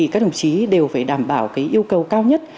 các đồng chí đều phải đảm bảo yêu cầu cao nhất